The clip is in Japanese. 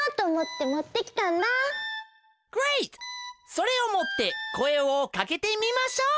それをもってこえをかけてみましょう。